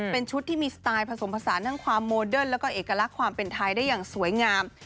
เป็นชุดที่มีสไตล์ผสมผสานทั้งความโมเดิร์นแล้วก็เอกลักษณ์ความเป็นไทยได้อย่างสวยงาม